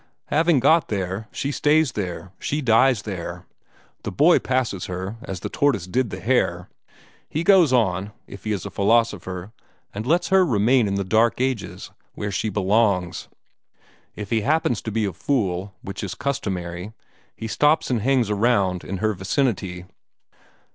Having got there, she stays there; she dies there. The boy passes her, as the tortoise did the hare. He goes on, if he is a philosopher, and lets her remain in the dark ages, where she belongs. If he happens to be a fool, which is customary, he stops and hangs around in her vicinity."